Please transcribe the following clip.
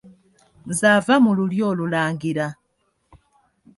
Nze ava mu lulyo olulangira.